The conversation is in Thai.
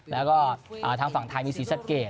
แล้วก็ทางฝั่งไทยมีศรีสะเกด